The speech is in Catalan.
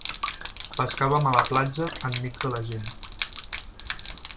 Pescàvem a la platja, enmig de la gent.